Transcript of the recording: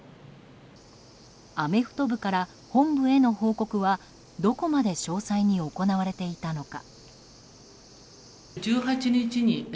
アメフト部から本部への報告はどこまで詳細に行われていたのか。